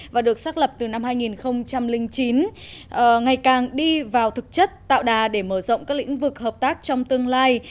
và được xác lập từ năm hai nghìn chín ngày càng đi vào thực chất tạo đà để mở rộng các lĩnh vực hợp tác trong tương lai